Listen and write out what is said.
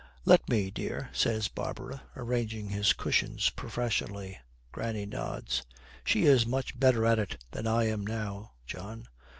'Let me, dear,' says Barbara, arranging his cushions professionally. Granny nods. 'She is much better at it than I am now, John.'